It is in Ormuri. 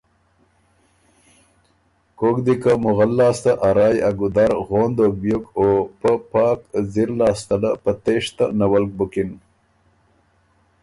کوک دې که مغل لاسته ا رایٛ ا ګُودر غون دوک بیوک او پۀ پاک ځِر لاسته له تېشته نَوَلک بُکِن۔